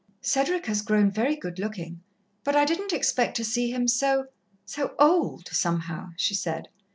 "Cedric has grown very good looking, but I didn't expect to see him so so old, somehow," she said.